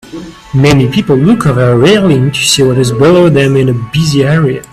Many people look over a railing to see what is below them in a busy area.